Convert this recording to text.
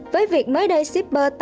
với việc mới đây sipr